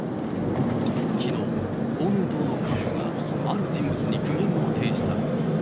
きのう、公明党の幹部がある人物に苦言を呈した。